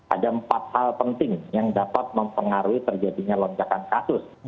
ada empat hal penting yang dapat mempengaruhi terjadinya lonjakan kasus